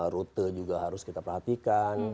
rute juga harus kita perhatikan